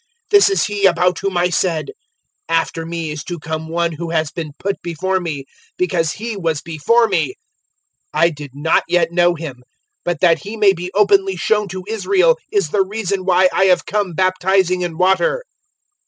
001:030 This is He about whom I said, `After me is to come One who has been put before me, because He was before me.' 001:031 I did not yet know Him; but that He may be openly shown to Israel is the reason why I have come baptizing in water."